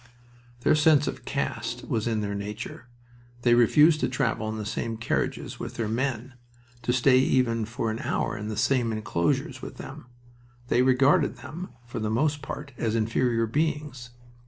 Their sense of caste was in their nature. They refused to travel in the same carriages with their men, to stay even for an hour in the same inclosures with them. They regarded them, for the most part, as inferior beings.